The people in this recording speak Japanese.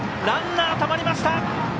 ランナー、たまりました。